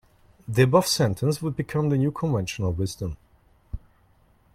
The above sentence would become the new conventional wisdom.